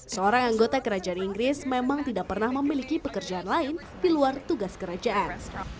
seorang anggota kerajaan inggris memang tidak pernah memiliki pekerjaan lain di luar tugas kerajaan